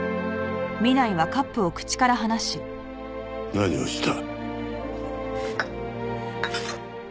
何をした？